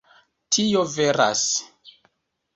Tio veras.